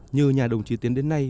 như nhà đồng chí tiến đến nay